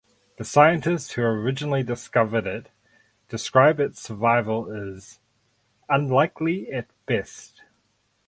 The scientists who originally discovered it describe its survival is "unlikely at best".